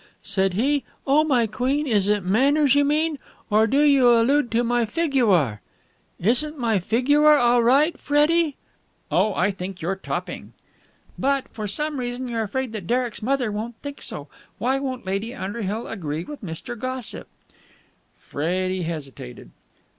Said he, 'Oh, my queen, is it manners you mean, or do you allude to my fig u ar?' Isn't my figuar all right, Freddie?" "Oh, I think you're topping." "But for some reason you're afraid that Derek's mother won't think so. Why won't Lady Underhill agree with Mr. Gossip?" Freddie hesitated.